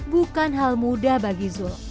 bukan hal mudah bagi zul